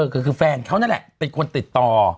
คือแฟนเขานั่นแหละเป็นคนติดต่อ